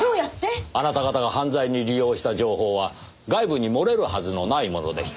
あなた方が犯罪に利用した情報は外部に漏れるはずのないものでした。